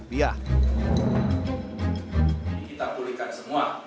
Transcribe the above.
ini kita pulihkan semua